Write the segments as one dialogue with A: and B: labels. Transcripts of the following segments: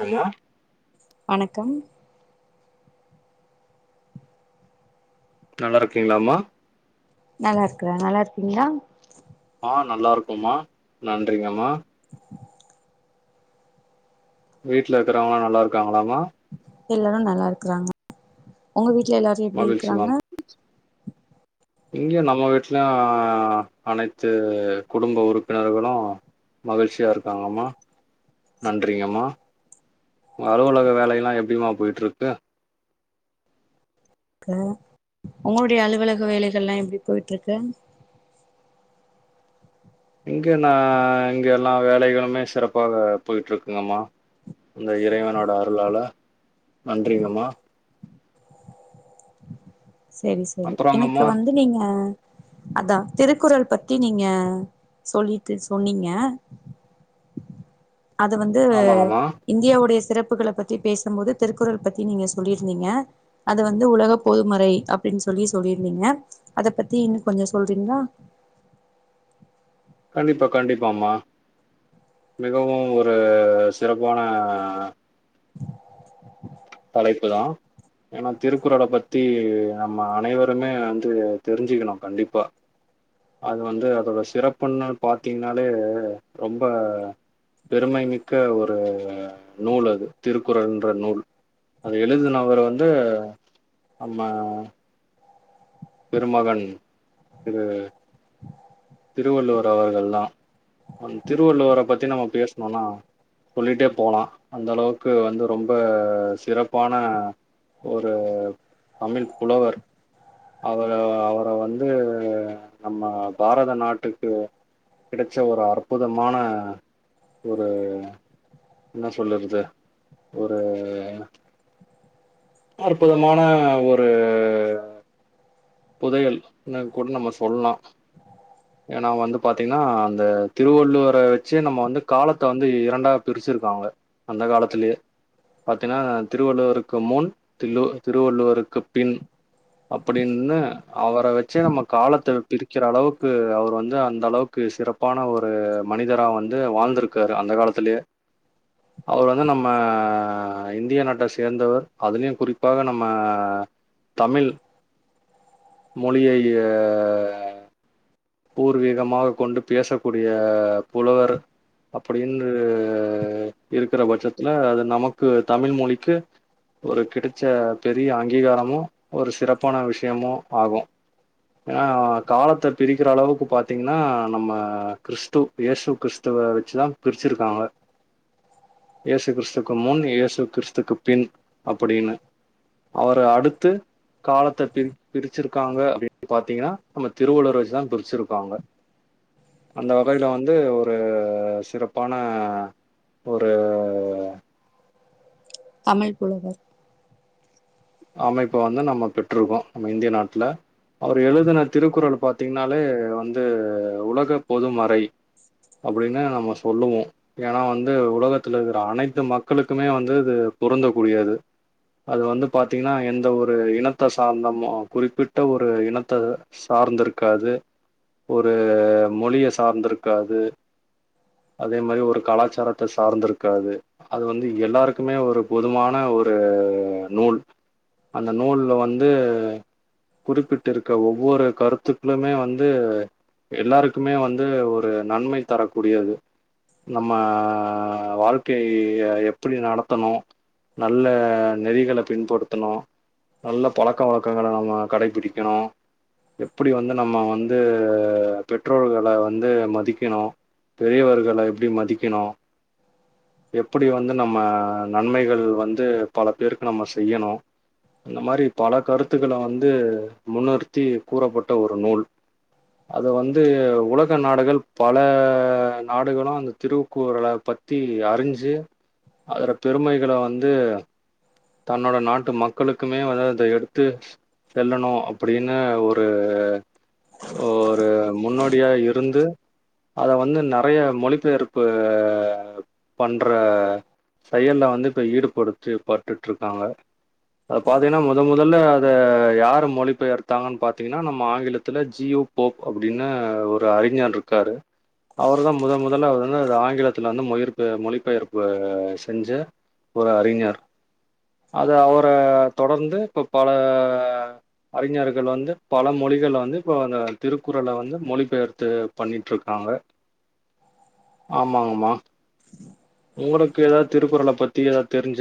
A: hello
B: வணக்கம்
A: நல்லா இருக்கீங்களா மா
B: நல்லா இருக்குறேன் நல்லா இருக்கீங்களா
A: ஆ நல்லா இருக்கோம்மா நன்றிங்கம்மா வீட்டுல இருக்கிறவங்கல்லாம் நல்லா இருக்காங்களாமா
B: எல்லாரும் நல்லா இருக்கறாங்க உங்க வீட்டுல எல்லாரும்
A: மகிழ்ச்சி மேம் இங்கையும் நம்ம வீடலயும் அனைத்து குடும்ப உறுப்பினர்களும் மகிழ்ச்சியா இருக்காங்கம்மா நன்றிங்கம்மா அலுவலக வேலையெல்லாம் எப்படியமா போயிட்டு இருக்கு
B: பரவால்ல உங்களுடைய அலுவலக வேலைகள் எல்லாம் எப்படி போயிட்டு இருக்கு
A: இங்கே நா இங்கே எல்லா வேலைகளுமே சிறப்பாக போயட்டுருக்குங்கம்மா அந்த இறைவனோட அருளால நன்றிங்கம்மா
B: சேரி சேரி எனக்கு
A: அப்புறங்கம்மா
B: வந்து நீங்க அதான் திருக்குறள் பத்தி நீங்க சொல்லிட்டு சொன்னீங்க அது வந்து
A: ஆமாங்கம்மா
B: இந்தியாவுடைய சிறப்புகள பத்தி பேசும்போது திருக்குறள் பத்தி நீங்க சொல்லியிருந்தீங்க அது வந்து உலக பொதுமறை அப்படின்னு சொல்லி சொல்லியிருந்தீங்க அத பத்தி இன்னும் கொஞ்சம் சொல்றீங்களா
A: கண்டிப்பாக கண்டிப்பாக மா மிகவும் ஒரு சிறப்பான தலைப்பு தான் ஏன்னா திருக்குறள பத்தி நம்ம அனைவருமே வந்து தெரிஞ்சுக்கணும் கண்டிப்பா அது வந்து அதோட சிறப்புன்னு பாத்தீங்கன்னாலே ரொம்ப பெருமைமிக்க ஒரு நூல் அது திருக்குறள்ன்ற நூல் அத எழுதினவரு வந்து நம்ம பெருமகன் இது திருவள்ளுவர் அவர்கள் தான் திருவள்ளுவரை பத்தி நம்ம பேசணும்னா சொல்லிட்டே போலாம் அந்த அளவுக்கு வந்து ரொம்ப சிறப்பான ஒரு தமிழ் புலவர் அவர அவர வந்து நம்ம பாரட் நாட்டுக்கு கிடைச்ச ஒரு அற்புதமான ஒரு என்ன சொல்லறது ஒரு அற்புதமான ஒரு புதையல்ன்னு கூட நம்ம சொல்லலாம்
B: [unintelligible]
A: ஏன்னா வந்து பாத்தீங்கன்னா அந்த திருவள்ளுவர வெச்சி நம்ம வந்து காலத்த வந்து இரண்டா பிரிச்சிருக்காங்க அந்த காலத்துலயே பாத்தினா திருவள்ளுவருக்கு முன் தில்லு திருவள்ளுவருக்கு பின் அப்படின்னு அவர வெச்சே நம்ம காலத்து பிரிக்கிற அளவுக்கு அவர் வந்து அந்த அளவுக்கு சிறப் சிறப்பான ஒரு மனிதரா வந்து வாழ்ந்திருக்காரு அந்த காலத்துலயே
B: [unintelligible]
A: அவர் வந்து நம்ம இந்திய நாட்ட சேந்தவர் அதுலயு குறிப்பாக நம்ம தமிழ் மொழியை ஆ பூர்வீகமாக கொண்டு பேசக்கூடிய புலவர் அப்படி என்று இருக்கற பட்சத்துல அது நமக்கு தமிழ் மொழிக்கு ஒரு கிடைச்ச பெரிய அங்கீகாரமு ஒரு சிறப்பான விஷயமு ஆகு ஆ காலத்த பிரிக் கிற அளவுக்கு பாத்திங்கன்னா நம்ம கிறிஸ்து இயேசு கிறிஸ்துவ வெச்சி தா பிரிச்சகருக்காங்க
B: [unintelligible]
A: இயேசு கிறிஸ்துக்கு முன் இயேசு கிறிஸ்துக்கு பின் அப்டின்னு அவரு அடுத்து காலத்த பிரி பிரிச்சிருக்காங்க அப்டின்னு பாத்தீங்கன்னா நம்ம திருவள்ளுவர வெச்சி தா பிரிச்சிருக்காங்க அந்த வகையில வந்து ஒரு சிறப்பான ஒரு
B: தமிழ் புலவர்
A: அமைப்ப வந்து நம்ம பெற்றிருக்கோ நம்ம இந்திய நாட்ல அவரு எழுதுன திருக்குறள பாத்தீங்கனாலே வந்து உலக பொது மறை அப்டின்னு தா நம்ம சொல்லுவோ ஏன்னா வந்து உலகத்துல இருக்கிற அனைத்து மக்களுக்குமே வந்து இது பொருந்த கூடியது அது வந்து பாத்தீங்கன்னா எந்த ஒரு இனத்த சார்ந்தம குறிப்பிட்ட ஒரு இனத்த சார்ந்திருக்காது ஒரு மொழிய சார்ந்திருக்காது அதே மாரி ஒரு கலாச்சாரத்த சார்ந்திருக்காது அது வந்து எல்லாருக்குமே ஒரு பொதுமான ஒரு நூல் அந்த நூல்ல வந்து குறிப்பிட்டு இருக்க ஒவ்வொரு கருத்துக்களுமே வந்து எல்லாருக்குமே வந்து ஒரு நன்மை தரக்கூடியது நம்ம வாழ்க்கைய எப்புடி நடத்தணு நல்ல நெறிகள பின்படுத்தணு நல்ல பழக்க வழக்கங்கள நம்ம கடைபிடிக்கணு எப்புடி வந்து நம்ம வந்து பெற்றோகள வந்து மதிக்கணு பெரியவர்க எப்டி மதிக்கணு எப்புடி வந்து நம்ம நன்மைகள் வந்து பல பேருக்கு நம்ம செய்யணு இந்த மாரி பல கருத்துக்கள வந்து முன்னுருத்தி கூறப்பட்ட ஒரு நூல் அது வந்து உலக நாடுகள் பல நாடுகளு அந்த திருக்குறள பத் சுத்தி அறிஞ்சி அதோட பெருமைகள வந்து தன்னோட நாட்டு மக்களுக்குமே வந்து அத எடுத்து செல்லணு அப்டின்னு ஒரு ஒரு முன்னோடியா இருந்து அத வந்து நறைய மொழிபெயர்ப்பு பண்ற செயல்ல வந்து இப்ப ஈடுபடுத்து பட்டுட்ருக்காங்க அத பாத்தீங்கன்னா மொத மொதல்ல அத யாரு மொழிபெயர்த்தாங்கன் பாத்தீங்கன்னா நம்ம ஆங்கிலத்துல ஜி யு போப் அப்டின்னு ஒரு அறிஞர் இருக்காரு அவருதா முதல் முதல்ல வந்து ஆங்கிலத்துல வந்து மொயி மொழிபெயர்ப்பு செஞ்சு ஒரு அறிஞர் அத அவர தொடர்ந்து இப்ப பல அறிஞர்கள் வந்து பல மொழிகள வந்து இப்போ அந்த திருக்குறள வந்து மொழிபெயர்த்து பண்ணிட்ருக்காங்க ஆமாங்கமா
B: [unintelligible]
A: உங்களுக்கு எதாவ்து திருக்குறள பத்தி எதா தெரிஞ்ச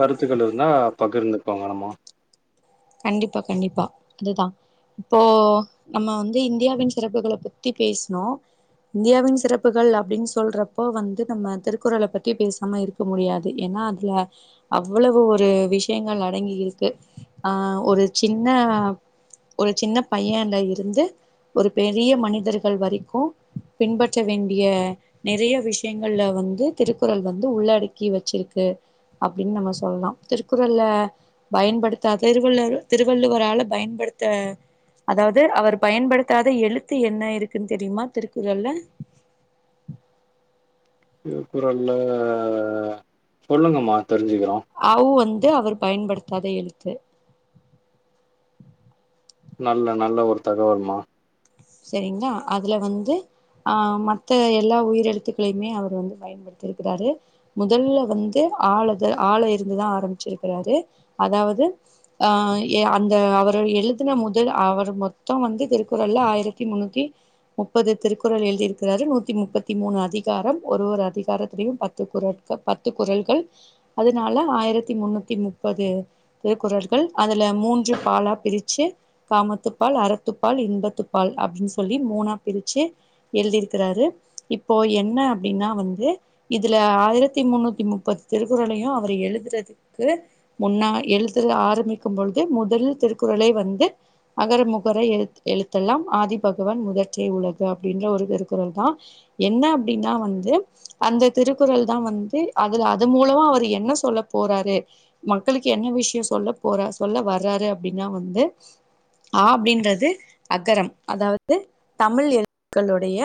A: கருத்துக்கள் இருந்தா பகிர்ந்துக்கோங்க நம்ம
B: கண்டிப்பா கண்டிப்பா அதுதா இப்போ நம்ம வந்து இந்தியாவின் சிறப்புகள பத்தி பேசனோ இந்தியாவின் சிறப்புகள் அப்டின் சொல்றப்போ வந்து நம்ம திருக்குறள பத்தி பேசாம இருக் இருக்க முடியாது எனா அதுல அவ்வளவு ஒரு விஷயங்கள் அடங்கி இருக்கு ஆ ஒரு சின்ன ஒரு சின்ன பையன்ல இருந்து ஒரு பெரிய மனிதர்கள் வரிக்கு பின்பற்ற வேண்டிய நெறைய விஷயங்கள்ல வந்து திருக்குறள் வந்து உள்ளடக்கி வெச்சிருக்கு அப்டின் நம்ம சொல்லா திருக்குறள்ல பயன்படுத் திருவள்ளுவர் திருவள்ளுவரால பயன்படுத்த அதாவ்து அவர் பயன்படுத்தாத எழுத்து என்ன இருக்குன் தெரியுமா திருக்குறள்ல
A: திருக்குறள்ல சொல்லுங்கம்மா தெரிஞ்சிக்கிறோ
B: ஔ வந்து அவர் பயன்படுத்தாத எழுத்து
A: நல்ல நல்ல ஒரு தகவல்மா
B: செரிங்களா அதுல வந்து ஆ மத்த எல்லா உயிரெழுத்துக்களையுமே அவர் வந்து பயன்படுத்திருக்கறாரு முதல்ல வந்து ஆல ஆல இருந்துதா ஆரம்பிச்சிருக்கறாரு அதாவது அ அந்த அவரு எழுதுன முதல் அவர் மொத்தோ வந்து திருக்குறள்ல ஆயிரத் தி முன்னுத்தி முப்பது திருக்குறள் எழுதி இருக்கறரு நூத்தி முப்பத்தி மூணு அதிகாரம் ஒரு ஒரு அதிகாரத்திலையு பத் து குறட்கள் பத்து குறள்கள் அதனால ஆயிரத்தி முன்னூத்தி முப்பது திருக்குற்கள் அதுல மூன்று பாலா பிரிச்சு காமத்து பால் அறத்து பால் இன்பத்து பால் அப்டின் சொல்லி மூணா பிரிச்சி எழுதிருக்றாரு இப்போ என்ன அப்டின்னா வந்து இதுல ஆயிரத்தி முன்னூத்தி முப்பது திருக்குறளையு அவரு எழுதுறதுக்கு முன்னா எழுத்து ஆரம்பிக்கும்பொழுது முதல் திருக்குறளே வந்து அகர முகர எழுத் எழுத் எல்லாம் ஆதி பகவன் முதற்றே உலகு அப்டின்ற ஒரு திருக்குறள்தா என்ன அப்டின்னா வந்து அந்த திருக்குறள்தா வந்து அதுல அது மூலமா அவர் என்ன சொல்ல போறாரு மக்களுக்கு என்ன விஷயோ சொல்ல போற சொல்ல வராரு அப்டின்னா வந்து ஆ அப்டின்றது அகரம் அதாவது தமிழ் எழுதுக்களுடைய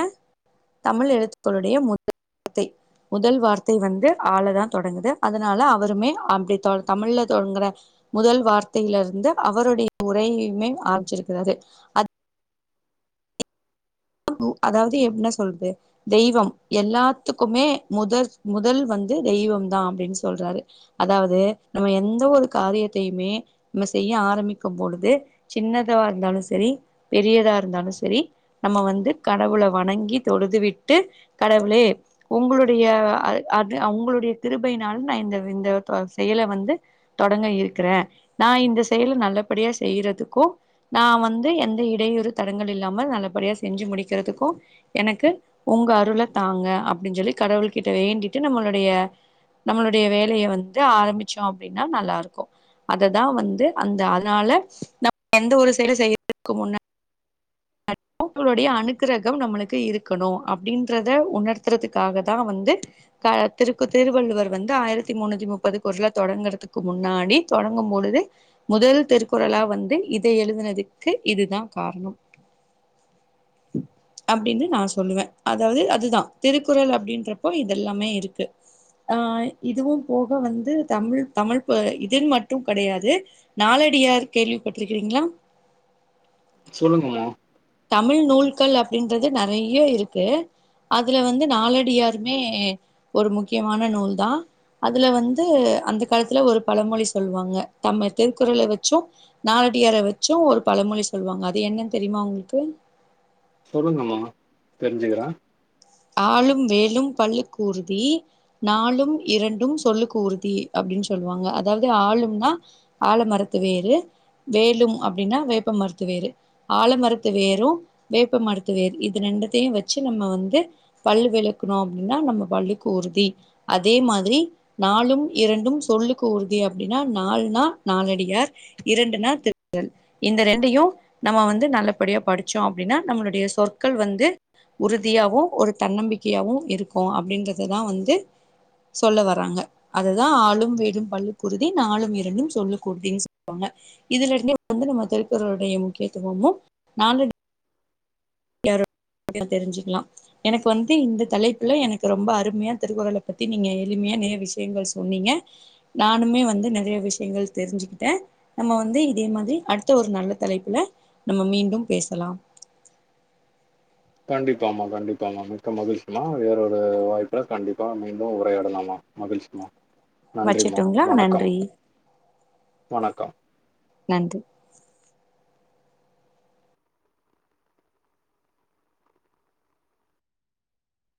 B: தமிழ் எழுத்துக்களுடைய முதல் வார்த்தை முதல் வார்த்தை வந்து ஆ லத தொடங்குது அதனால அவருமே அப்டி த தமிழ்ல தொடங்குற முதல் வார்த்தையிலருந்து அவருடைய உரையையுமே ஆரம்பிச்சிருக்கிறாரு அ [inaudible] அதாவது எப் இன்னா சொல்றது தெய்வம் எல்லாத்துக்குமே முதற் முதல் வந்து தெய்வம்தா அப்டின் சொல்றாரு அதாவது நம்ம எந்த ஒரு காரியத்தையுமே நம்ம செய்ய ஆரம்பிக்கும் பொழுது சின்னதா இருந்தாலு செரி பெரியதா இருந்தாலு செரி நம்ம வந் து கடவுள வணங்கி தொழுதுவிட்டு கடவுளே உங்களுடைய அ அது உங்களுடைய கிருபையினால் நா இந்த இந்த அ செயல வந்து தொடங்க இருக்கிறே நா இந்த செயல நல்லபடியா செய்றதுக்கு நா வந்து எந்த இடையூறு தடங்கள் இல்லாம நல்லபடியா செஞ்சு முடிக்கிறதுக்கு எனக்கு உங்க அருள தாங்க அப்டின் சொல்லி கடவுள் கிட்ட வேண்டிட்டு நம்மளுடைய நம்மளுடைய வேலய வந்து ஆரம்பிச்சோ அப்டின்னா நல்லாருக்கு அததா வந்து அந்த அதனால நம்ம எந்த ஒரு செயல செய்யறதுக்கு முன்னா டியு கடவுளுடைய அனுகிரகம் நம்மளுக்கு இருக்கணு அப்டின்றத உணர்த்துறதுக்காகதா வந்து க திருக்கு திருவள்ளுவர் வந்து ஆயிரத்தி முன்னூத்தி முப்பது குறள தொடங்குறதுக்கு முன்னாடி தொடங்கும் பொழுது முதல் திருக்குறளா வந்து இத எழுதினதுக்கு இதுதா காரணம் அப்டினு நா சொல்லுவே அதாவது அதுதா ‌திருக்குறள் அப்டின்றப்போ இதெல்லாமே இருக்கு ஆ இதுவும் போக வந்து தமிழ் தமிழ் ப இதின் மட்டு கெடையாது நாலடியார் கேள்விப்பட்டுருக்கிறீங்ளா
A: சொல்லுங்கமா
B: தமிழ் நூல்கள் அப்டின்றது நெறையா இருக்கு அதுல வந்து நாளடியாருமே ஒரு முக்கியமான நூல்தா அதுல வந்து அந்த காலத்துல ஒரு பழமொழி சொல்லுவாங்க தம்ம திருக்குறள வெச்சு நலடியார வெச்சு ஒரு பழமொழி சொல்லுவாங்க அது என்னன் தெரிமா உங்களுக்கு
A: சொல்லுங்கமா தெரிஞ்சுக்கிறே
B: ஆலும் வேலும் பள்ளுக்குறுதி நாலும் இரண்டும் சொல்லுக்கு உறுதி அப்டின் சொல்லுவாங்க அதாவது ஆலும்னா ஆல மரத்து வேரு வேலும் அப்டின்னா வேப்ப மர்த்து வேரு ஆல மரத்து வேரு வேப்ப மருத்து வேரு இது ரெண்டுத்தையு வெச்சு நம்ம வந்து பல்லு வெளக்குணோ அப்டின்னா நம்ம பல்லுக்கு உறுதி அதே மாதிரி நாலும் இரண்டும் சொல்லுக்கு உறுதி அப்டின்னா நால்னா நாலடியார் இரண்டுனா திருக்குறள் இந்த ரெண்டையுநம்ம வந்து நல்லபடியா படிச்சோ அப்டின்னா நம்மளுடைய சொற்கள் வந்து உறுதியாவு ஒரு தன்னம்பிக்கையாவு இருக்கு அப்டின்றதுதா வந்து சொல்ல வராங்க அததா ஆலும் வேலும் பள்ளுக்குறுதி நாலும் இரண்டும் சொல்லுக்குறுதின் சொல்லுவாங்க இதுல இருந்தே வந்து நம்ம திருக்குறளுடைய முக்கியத்துவமு நாலடி யாரோட [unintelligible] தெரிஞ்சுக்லா எனக்கு வந்து இந்த தலைப்புல எனக்கு ரொம்ப அருமையா திருக்குறள பத்தி நீங்க எளிமியா நெறைய விஷயங்கள் சொன்னீங்க நானுமே வந்து நெறைய விஷ்யங்கள் தெரிஞ்சுகிட்டே நம்ம வந்து இதே மாரி அடுத்த ஒரு நல்ல தலைப்புல நம்ம மீண்டும் பேசலா
A: கண்டிப்பாமா கண்டிப்பாமா மிக்க மகிழ்ச்சிமா வேறொரு வாய்ப்புல கண்டிப்பா மீண்டு உரையாடலாமா மகிழ்ச்சிமா நன்றிமா
B: வச்சுட்டுங்களா
A: வணக்கம்
B: நன்றி
A: வணக்கம்
B: நன்றி